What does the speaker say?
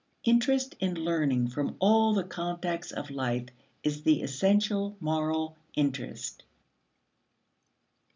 Interest in learning from all the contacts of life is the essential moral interest.